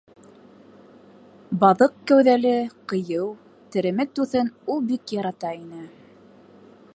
Баҙыҡ кәүҙәле, ҡыйыу, теремек дуҫын ул бик ярата ине.